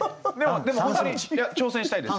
でも本当に挑戦したいです。